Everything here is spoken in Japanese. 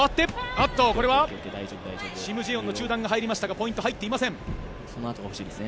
シム・ジェヨンの中段が入りましたがポイント入っていません。